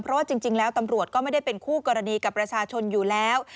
เพราะว่าจริงแล้วตำรวจก็ไม่ได้เป็นคู่กรณีกับประชาชนอยู่แล้ว